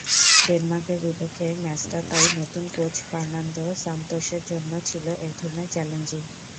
ডেনমার্কের বিপক্ষে ম্যাচটা তাই নতুন কোচ ফার্নান্দো সানতোসের জন্য ছিল একধরনের চ্যালেঞ্জই।